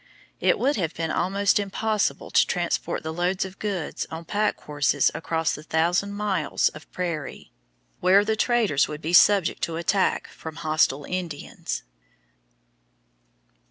It would have been almost impossible to transport the loads of goods on pack horses across the thousand miles of prairie, where the traders would be subject to attack from hostile Indians.